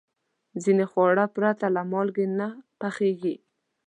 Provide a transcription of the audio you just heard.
ځینې خواړه پرته له مالګې نه پخېږي.